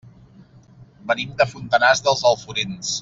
Venim de Fontanars dels Alforins.